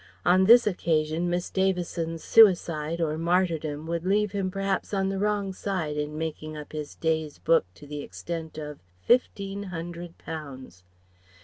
On this occasion Miss Davison's suicide or martyrdom would leave him perhaps on the wrong side in making up his day's book to the extent of fifteen hundred pounds.